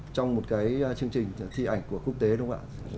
trong một cái chương trình thi ảnh của quốc tế đúng không ạ